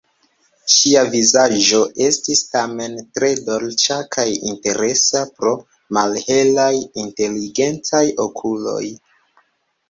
Ŝia vizaĝo estis tamen tre dolĉa kaj interesa pro malhelaj, inteligentaj okuloj.